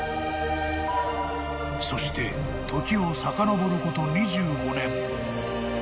［そして時をさかのぼること］